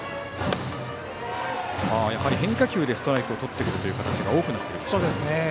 やはり変化球でストライクをとってくる形が多くなっている。